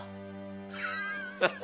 ハハハ！